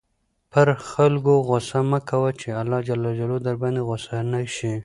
پر خلکو غصه مه کوه چې اللهﷻ درباندې غصه نه شي.